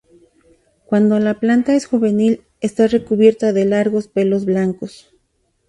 Cuando la planta es juvenil, está recubierta de largos pelos blancos.